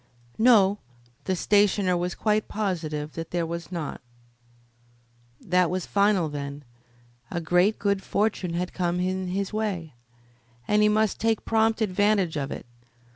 No, the stationer was quite positive that there was not. That was final, then. A great good fortune had come in his way, and he must take prompt advantage of it.